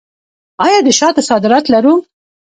آیا د شاتو صادرات لرو؟